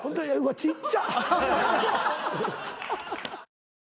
ちっちゃ！